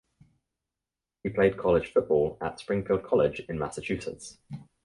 He played college football at Springfield College in Massachusetts.